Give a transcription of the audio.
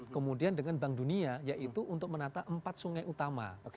kemudian dengan bank dunia yaitu untuk menata empat sungai utama